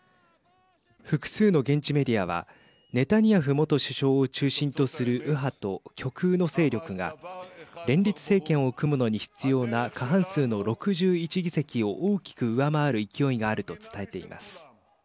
複数の現地メディアはネタニヤフ元首相を中心とする右派と極右の勢力が連立政権を組むのに必要な過半数の６１議席を大きく上回る勢いがあると伝えています。